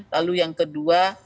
lalu yang kedua